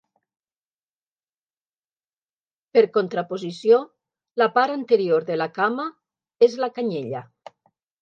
Per contraposició la part anterior de la cama és la canyella.